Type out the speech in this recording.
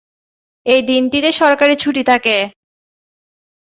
এই দিনটিতে সরকারি ছুটি থাকে।